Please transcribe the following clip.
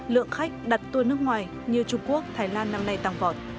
lượng khách đặt tour nước ngoài như trung quốc thái lan năm nay tăng vọt